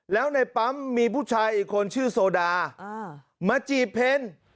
แล้วในปั๊มมีผู้ชายอีกคนชื่อโซดามาจีบเพล